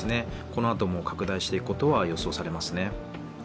このあとも拡大していくことは予想されますね。